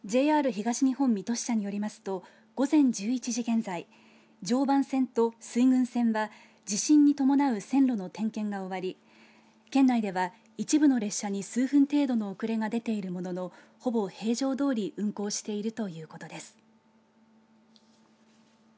ＪＲ東日本水戸支社によりますと午前１１時現在常磐線と水郡線は地震に伴う線路の点検が終わり県内では一部の列車に数分程度の遅れが出ているもののほぼ平常どおり運行しているということです。